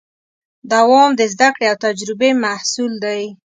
دوام د زدهکړې او تجربې محصول دی.